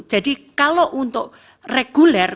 jadi kalau untuk reguler